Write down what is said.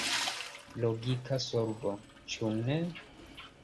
Logika solvo, ĉu ne?